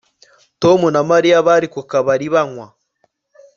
Tom na Mariya bari ku kabari banywa